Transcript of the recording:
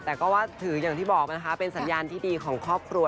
แต่ก็ถือยังที่บอกเป็นสัญญาณที่ดีของครอบครัว